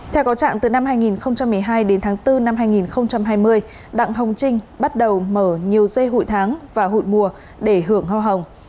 theo có trạng từ năm hai nghìn một mươi hai đến tháng bốn năm hai nghìn hai mươi đặng hồng trinh bắt đầu mở nhiều dây hụi tháng và hụi mùa để hưởng hoa hồng